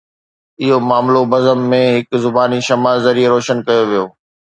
اهو معاملو بزم ۾ هڪ زباني شمع ذريعي روشن ڪيو ويو